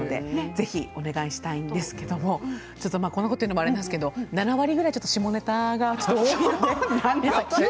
ぜひお願いしたいですけどもこんなことを言うのもあれなんですけど７割ぐらい下ネタが多いので。